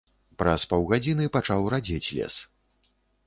Праз паўгадзіны пачаў радзець лес.